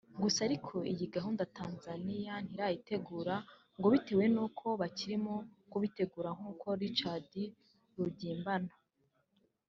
Gusa ariko iyi gahunda Tanzaniya ntirayitangira ngo bitewe n’uko bakirimo kubitegura nk’uko Richard Rugimbana